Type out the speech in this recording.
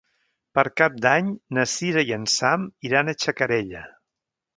Per Cap d'Any na Sira i en Sam iran a Xacarella.